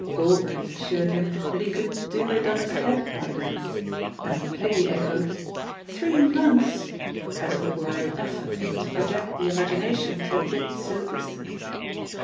Galbraith assured him that he could "do it on his head by then," and Peggy echoed, "three months!" as if it were an effort to project the imagination to a date so distant.